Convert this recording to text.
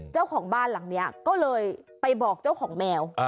เจ้าของบ้านหลังนี้ก็เลยไปบอกเจ้าของแมว